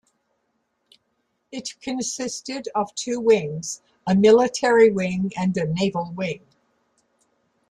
It consisted of two wings: a Military Wing and a Naval Wing.